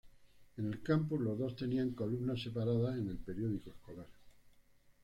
En el campus, los dos tenían columnas separadas en el periódico escolar.